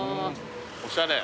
おしゃれ。